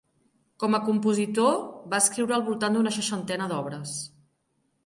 Com a compositor va escriure al voltant d’una seixantena d’obres.